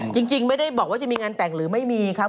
จริงไม่ได้บอกว่าจะมีงานแต่งหรือไม่มีครับ